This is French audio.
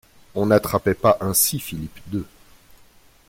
On n'attrapait pas ainsi Philippe deux.